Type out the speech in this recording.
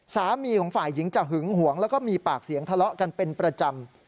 สามีของฝ่ายหญิงจะหึงหวงแล้วก็มีปากเสียงทะเลาะกันเป็นประจำ